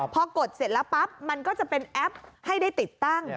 พอกดเสร็จแล้วปั๊บมันก็จะเป็นแอปให้ได้ติดตั้ง